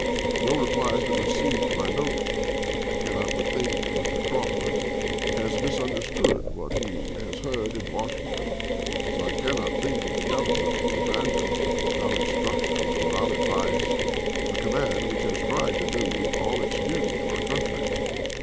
No reply has been received to my note. I cannot but think that Mr. Crawford has misunderstood what he has heard in Wash ington, as I cannot think that the Government would abandon, without instructions and without advice, a com mand which has tried to do all its duty to our country.